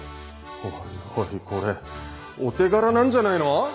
おいおいこれお手柄なんじゃないの？